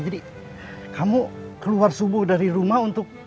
jadi kamu keluar subuh dari rumah